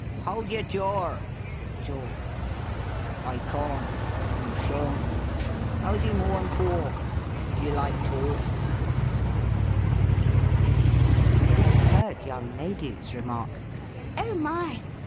Hold your jor (jaw)." "I caun't. You shaun't. How's your Maw and Paw ? Do you like taut (tart) ?" We have heard young ladies remark, —" Oh, my